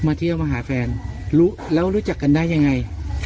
เที่ยวมาหาแฟนรู้แล้วรู้จักกันได้ยังไง